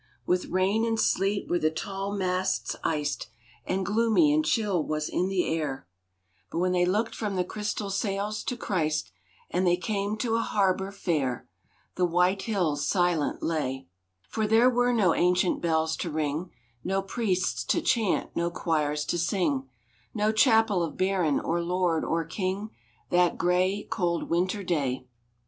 With rain and sleet were the tall masts iced, And gloomy and chill was the air, But they looked from the crystal sails to Christ, And they came to a harbor fair. The white hills silent lay, For there were no ancient bells to ring, No priests to chant, no choirs to sing, No chapel of baron, or lord, or king, That gray, cold winter day.